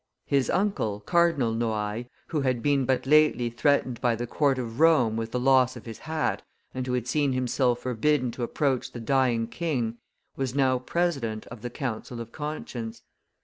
His uncle, Cardinal Noailles, who had been but lately threatened by the court of Rome with the loss of his hat, and who had seen himself forbidden to approach the dying king, was now president of the council of conscience.